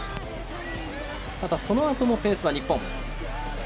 そのあともペースは日本。